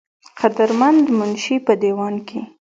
قدر مند منشي پۀ دېوان کښې